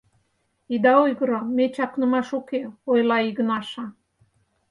— Ида ойгыро, ме чакнымаш уке, — ойла Игнаша.